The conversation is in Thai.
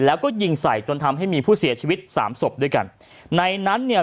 แล้วก็ยิงใส่จนทำให้มีผู้เสียชีวิตสามศพด้วยกันในนั้นเนี่ย